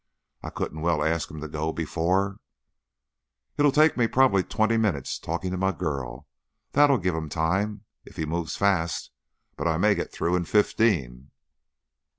I couldn't well ask him to go before " "It'll take me prob'ly twenty minutes, talkin' to my girl. That'll give him time, if he moves fast. But I may get through in fifteen."